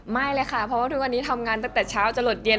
ไม่เลยค่ะเพราะว่าทุกวันนี้ทำงานตั้งแต่เช้าจะหลดเย็น